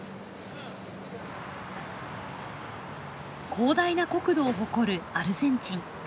広大な国土を誇るアルゼンチン。